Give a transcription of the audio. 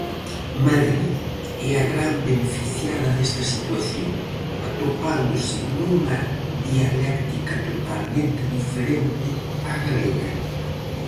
Madrid é a gran beneficiada desta situación, atopándose nunha dialéctica totalmente diferente á galega.